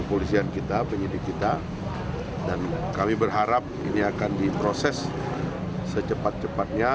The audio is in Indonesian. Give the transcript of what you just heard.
polisian kita penyidik kita dan kami berharap ini akan diproses secepat cepatnya